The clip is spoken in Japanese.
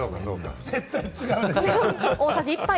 絶対違うでしょ。